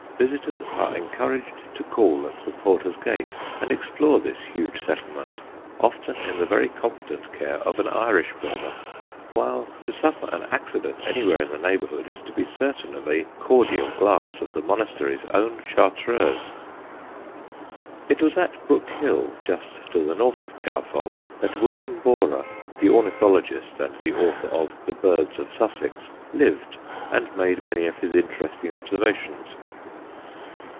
Visitors are encouraged to call at the porter's gate and explore this huge settlement often in the very competent care of an Irish brother; while to suffer an accident anywhere in the neighbourhood is to be certain of a cordial glass of the monastery's own Chartreuse. It was at Brook Hill, just to the north of Cowfold, that William Borrer, the ornithologist and the author of The Birds of Sussex, lived and made many of his interesting observations.